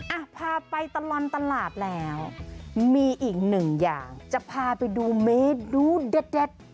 อ่ะพาไปตลอดตลาดแล้วมีอีกหนึ่งอย่างจะพาไปดูเมนูเด็ดเด็ด